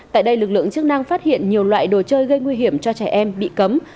tại đây lực lượng chức năng phát hiện nhiều loại đồ chơi gây nguy hiểm cho trẻ em bị cấm